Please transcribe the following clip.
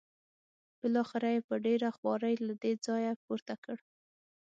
بالاخره یې په ډېره خوارۍ له دې ځایه پورته کړ.